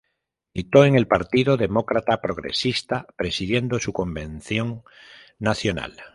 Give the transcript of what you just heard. Militó en el Partido Demócrata Progresista, presidiendo su Convención Nacional.